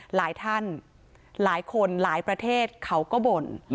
หลายท่านหลายคนหลายประเทศเขาก็บ่น